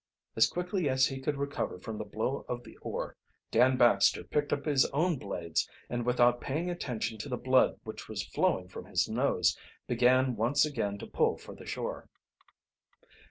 As quickly as he could recover from the blow of the oar, Dan Baxter picked up his own blades, and without paying attention to the blood which was flowing from his nose, began once again to pull for the shore.